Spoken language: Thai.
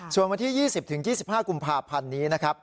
ส่วนวันที่๒๐๒๕กุมภาพันธ์นี้นะครับ